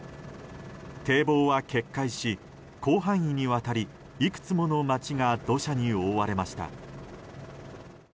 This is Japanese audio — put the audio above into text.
堤防は決壊し、広範囲にわたりいくつもの町が土砂に覆われました。